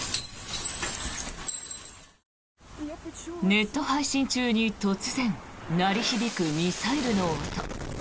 ネット配信中に突然、鳴り響くミサイルの音。